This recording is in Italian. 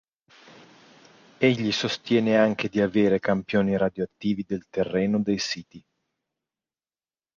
Egli sostiene anche di avere campioni radioattivi del terreno dei siti.